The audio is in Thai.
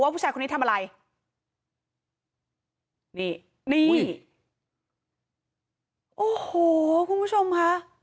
ผู้ชายคนนี้ทำอะไรนี่นี่โอ้โหคุณผู้ชมค่ะ